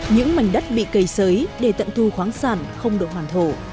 những mảnh đất bị cây sới để tận thu khoáng sản không được hoàn thổ